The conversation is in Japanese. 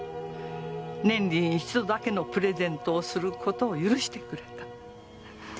年に一度だけのプレゼントをする事を許してくれた。